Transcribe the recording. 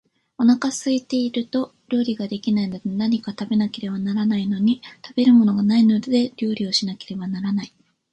お腹が空いていると料理が出来ないので、何か食べなければならないのに、食べるものがないので料理をしなければならない